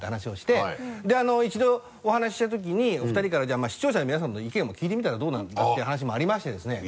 一度お話ししたときにお二人から視聴者の皆さんの意見も聞いてみたらどうなんだっていう話もありましてですね。